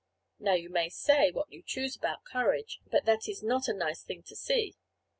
Now you may say what you choose about courage, but that is not a nice thing to see.